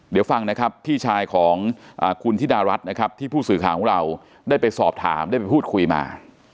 เดี๋ยวฟังนะครับพี่ชายของคุณธิดารัฐนะครับที่ผู้สื่อข่าวของเราได้ไปสอบถามได้ไปพูดคุยมา